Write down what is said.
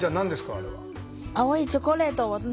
あれは。